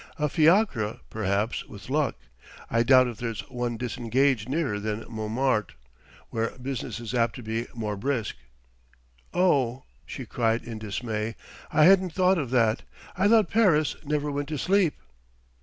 "A fiacre, perhaps with luck: I doubt if there's one disengaged nearer than Montmartre, where business is apt to be more brisk." "Oh!" she cried in dismay. "I hadn't thought of that.... I thought Paris never went to sleep!"